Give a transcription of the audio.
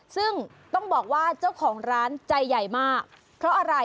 ซึ่งต้องบอกว่าเจ้าของร้านใจใหญ่มากเพราะอะไร